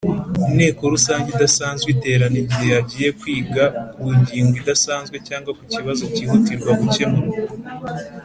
Inteko Rusange idasanzwe iterana igihe hagiye kwiga ku ngingo idasanzwe cyangwa kukibazo kihutirwa gukemurwa.